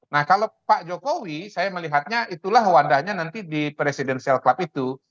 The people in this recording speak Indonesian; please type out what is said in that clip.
nah kalau pak jokowi saya melihatnya itulah wadahnya nanti di presidential club itu